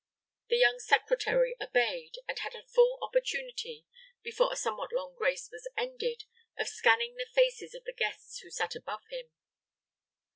The young secretary obeyed, and had a full opportunity, before a somewhat long grace was ended, of scanning the faces of the guests who sat above him.